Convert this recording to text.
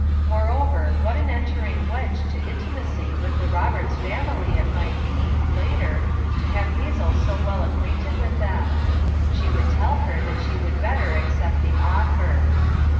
Moreover, what an en tering wedge to intimacy with the Roberts family it might be, later, to have Hazel so well acquainted with them! She would tell her that she would better accept the offer.